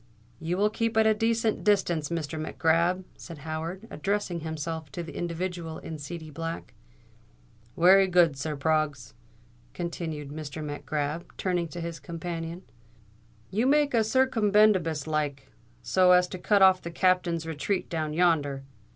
"You will keep at a decent distance, Mr. Mac Grab," said Howard, addressing himself to the individual in seedy black. "Wery good, sir. Proggs," continued Mr. Mac Grab, turning to his companion, "you make a circumbendibus like, so as to cut off the Captain's retreat down yonder.